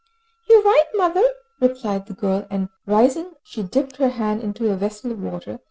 "You are right, mother," replied the girl, and rising she dipped her hand into a vessel of water.